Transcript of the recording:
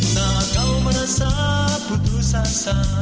saat kau merasa putus asa